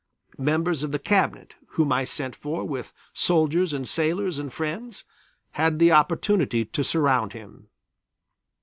Members of the Cabinet, whom I sent for with soldiers and sailors and friends, had the opportunity to surround him.